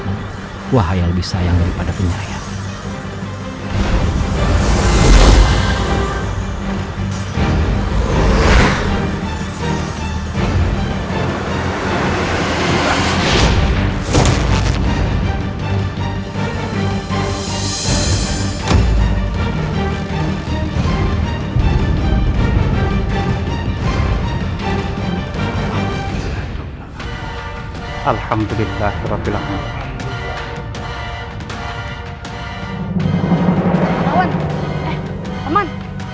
eh teman eh rekan